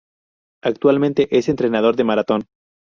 Actualmente es entrenador de maratón.